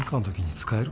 使える？